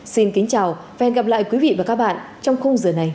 xin kính chào và hẹn gặp lại quý vị và các bạn trong khung giờ này ngày mai